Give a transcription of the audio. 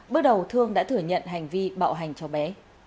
bước đầu thương đã thừa nhận hành vi bạo hành cháu bé